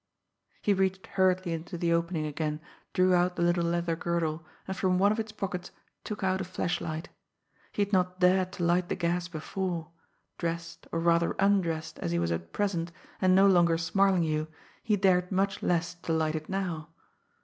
He reached hurriedly into the opening again, drew out the little leather girdle, and from one of its pockets took out a flashlight. He had not dared to light the gas before; dressed, or, rather, undressed, as he was at present, and no longer Smarlinghue, he dared much less to light it now.